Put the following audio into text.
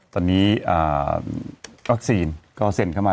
ตอนนี้วัคซีนก็เซ็นเข้ามา